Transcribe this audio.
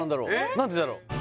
何でだろ？